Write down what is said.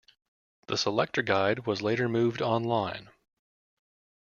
The selector guide was later moved online.